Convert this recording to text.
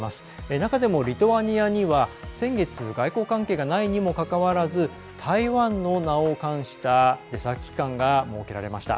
中でも、リトアニアには先月外交関係がないにもかかわらず台湾の名を冠した出先機関が設けられました。